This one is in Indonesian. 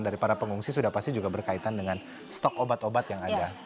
dari para pengungsi sudah pasti juga berkaitan dengan stok obat obat yang ada